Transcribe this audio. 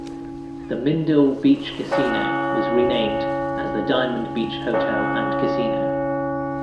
The Mindil Beach Casino was renamed as the Diamond Beach Hotel and Casino.